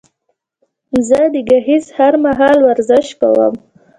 زه د ګهيځ هر مهال ورزش کوم